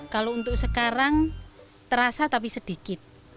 kalau untuk sekarang terasa tapi sedikit